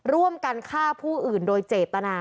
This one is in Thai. ร่วมกันฆ่าผู้อื่นโดยเจตนา